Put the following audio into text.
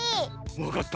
わかった。